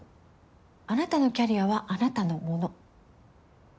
あなたのキャリアはあなたのもの。